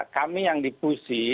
kami yang di pusi